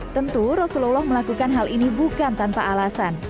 tentu rasulullah melakukan hal ini bukan tanpa alasan